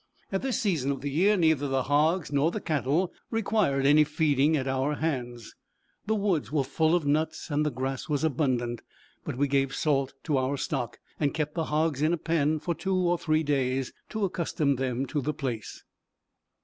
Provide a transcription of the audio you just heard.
At this season of the year neither the hogs nor the cattle required any feeding at our hands. The woods were full of nuts, and the grass was abundant; but we gave salt to our stock, and kept the hogs in a pen two or three days, to accustom them to the place.